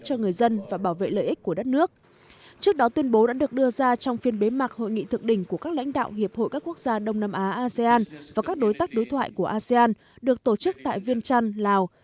trước đó tuyên bố đã được đưa ra trong phiên bế mạc hội nghị thượng đỉnh của các lãnh đạo hiệp hội các quốc gia đông nam á asean và các đối tác đối thoại của asean được tổ chức tại viên trăn lào